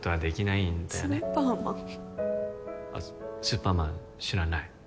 スーパーマン知らない？